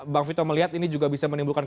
bang vito melihat ini juga bisa menimbulkan